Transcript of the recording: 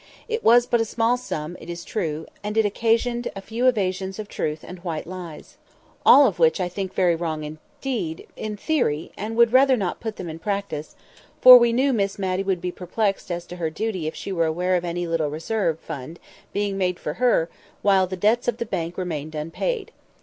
It was but a small sum, it is true; and it occasioned a few evasions of truth and white lies (all of which I think very wrong indeed—in theory—and would rather not put them in practice), for we knew Miss Matty would be perplexed as to her duty if she were aware of any little reserve fund being made for her while the debts of the bank remained unpaid.